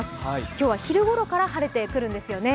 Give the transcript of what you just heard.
今日は昼ごろから晴れてくるんですすよね。